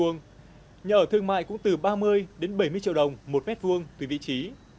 nhà ở thương mại cũng từ ba mươi đến bảy mươi triệu đồng một m hai tùy vị trí